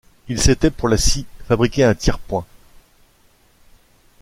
Il s’était, pour la scie, fabriqué un tiers-point.